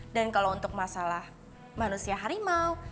dan kalau untuk masalah manusia harimau